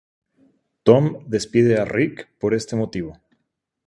Tom despide a Rick por este motivo.